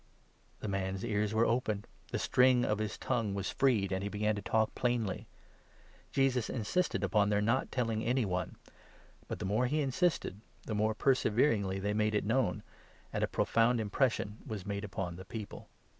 The man's ears were opened, the string of his tongue was 35 freed, and he began to talk plainly. Jesus insisted upon their 36 not telling any one ; but the more he insisted, the more per severingly they made it known, and a profound impression 37 was made upon the people.